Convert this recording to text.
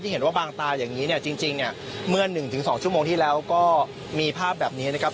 เห็นว่าบางตาอย่างนี้เนี่ยจริงเนี่ยเมื่อ๑๒ชั่วโมงที่แล้วก็มีภาพแบบนี้นะครับ